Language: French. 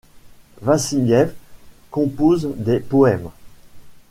Vassiliev compose des poèmes.